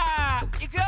いくよ！